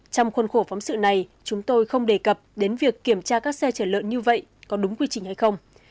trong khuôn khổ phóng sự này chúng tôi không đề cập đến việc kiểm tra các xe chở lợn như vậy có đúng quy trình hay không